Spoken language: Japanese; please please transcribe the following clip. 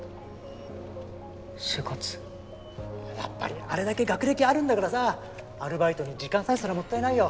やっぱりあれだけ学歴あるんだからさアルバイトに時間割いてたらもったいないよ。